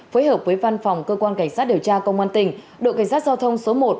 phối hợp với văn phòng cơ quan cảnh sát điều tra công an tỉnh đội cảnh sát giao thông số một